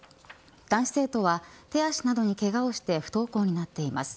男子生徒は手足などにけがをして不登校になっています。